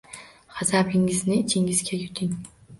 G‘azabingizni ichingizga yuting.